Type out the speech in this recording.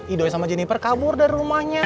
idoi sama jennifer kabur dari rumahnya